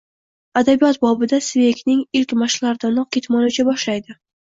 Adabiyot bobida Sveygning ilk mashqlaridanoq ketmoni ucha boshlaydi